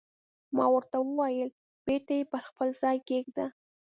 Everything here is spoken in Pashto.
ما ورته وویل: بېرته یې پر خپل ځای کېږده.